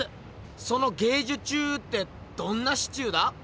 その「ゲージュチュー」ってどんなシチューだ？